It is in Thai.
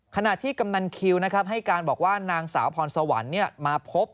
ขณะที่กำนันคิวนะครับให้การบอกว่านางสาวพรสวรรค์มาพบ